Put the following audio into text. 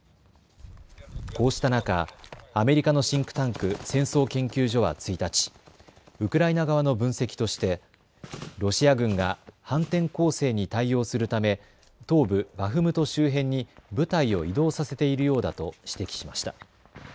こうした中、アメリカのシンクタンク、戦争研究所は１日、ウクライナ側の分析としてロシア軍が反転攻勢に対応するため東部バフムト周辺に部隊を移動させているようだと指摘しました。